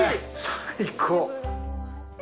最高！